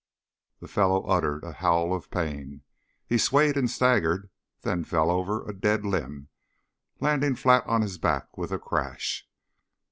The fellow uttered a howl of pain. He swayed and staggered then fell over a dead limb, landing flat on his back with a crash.